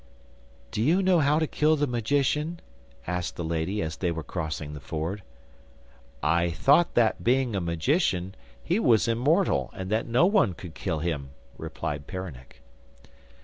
'Do you know how to kill the magician?' asked the lady, as they were crossing the ford. 'I thought that, being a magician, he was immortal, and that no one could kill him,' replied Peronnik.